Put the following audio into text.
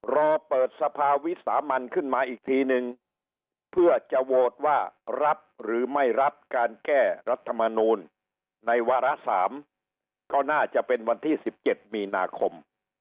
รอเปิดสภาวิสามันขึ้นมาอีกทีนึงเพื่อจะโหวตว่ารับหรือไม่รับการแก้รัฐมนูลในวาระ๓ก็น่าจะเป็นวันที่๑๗มีนาคม